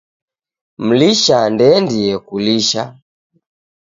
Mlisha ndeendie kulisha.